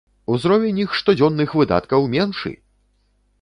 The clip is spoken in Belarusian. Узровень іх штодзённых выдаткаў меншы!